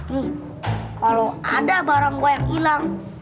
nih kalau ada barang gue yang hilang